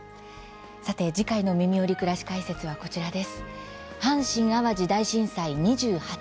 さて次回の「みみより！くらし解説」はこちらです。